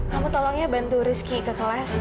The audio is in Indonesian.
kamu tolongnya bantu rizky ke kelas